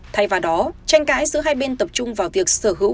thay vào đó tranh cãi giữa hai bên tập trung vào việc sở hữu